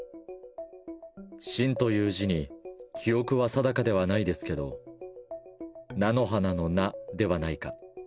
真という字に記憶は定かではないですけど、菜の花の菜ではないか。